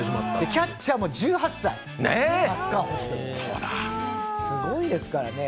キャッチャーも１８歳松川捕手、すごいですからね。